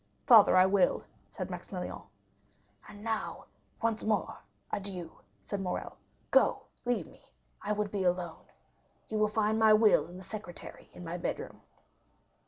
"Father, I will," said Maximilian. "And now, once more, adieu," said Morrel. "Go, leave me; I would be alone. You will find my will in the secretaire in my bedroom."